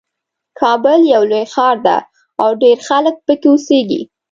کابل یو لوی ښار ده او ډېر خلک پکې اوسیږي